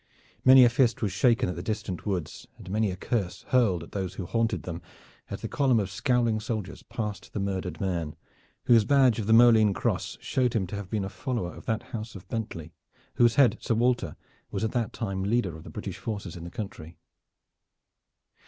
Many a fist was shaken at the distant woods and many a curse hurled at those who haunted them, as the column of scowling soldiers passed the murdered man, whose badge of the Molene cross showed him to have been a follower of that House of Bentley, whose head, Sir Walter, was at that time leader of the British forces in the country.